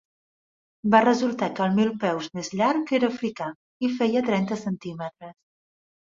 Va resultar que el milpeus més llarg era africà i feia trenta centímetres.